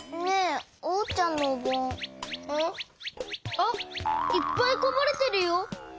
あっいっぱいこぼれてるよ！